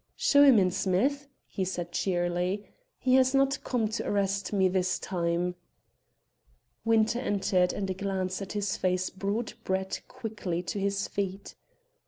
"Show him in, Smith," he said cheerily; "he has not come to arrest me this time." Winter entered, and a glance at his face brought Brett quickly to his feet.